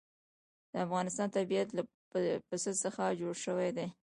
د افغانستان طبیعت له پسه څخه جوړ شوی دی.